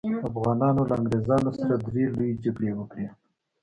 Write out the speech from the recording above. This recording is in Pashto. افغانانو له انګریزانو سره درې لويې جګړې وکړې.